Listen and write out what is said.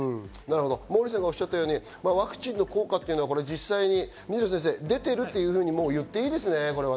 モーリーさんがおっしゃったようにワクチンの効果というのは実際、水野先生、出ているというふうに言っていいですね？